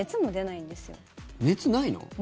熱ないの？